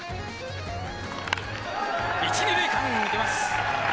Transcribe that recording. １・２塁間に出ます。